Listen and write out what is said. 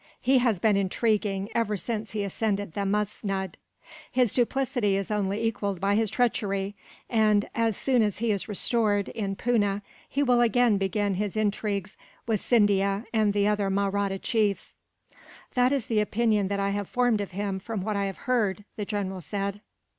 He has been intriguing, ever since he ascended the musnud. His duplicity is only equalled by his treachery and, as soon as he is restored, in Poona, he will again begin his intrigues with Scindia and the other Mahratta chiefs." "That is the opinion that I have formed of him, from what I have heard," the general said.